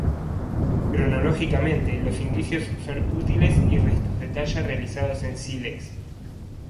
Cronológicamente, los primeros indicios son útiles y restos de talla realizados en sílex.